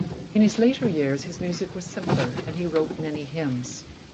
In his later years, his music was simpler, and he wrote many hymns.